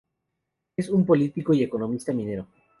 Es una político y economista minero.